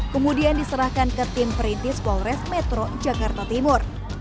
kemudian diserahkan ke tim perintis polres metro jakarta timur